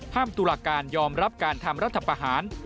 ตุลาการยอมรับการทำรัฐประหาร